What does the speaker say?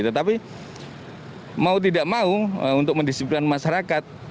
tetapi mau tidak mau untuk mendisiplin masyarakat